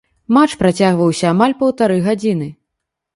Матч працягваўся амаль паўтары гадзіны.